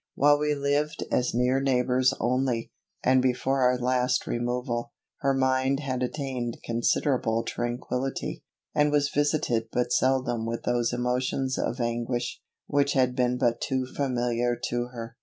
While we lived as near neighbours only, and before our last removal, her mind had attained considerable tranquillity, and was visited but seldom with those emotions of anguish, which had been but too familiar to her.